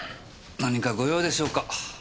何かご用でしょうか？